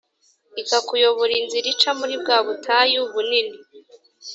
ikakuyobora inzira ica muri bwa butayu bunini